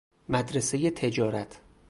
مدرسۀ تجارت